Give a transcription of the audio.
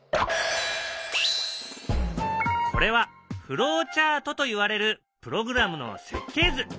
これはフローチャートといわれるプログラムの設計図。